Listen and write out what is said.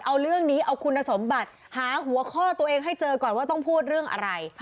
เอาเรื่องนี้เอาคุณสมบัติหาหัวข้อตัวเองให้เจอก่อนว่าต้องพูดเรื่องอะไร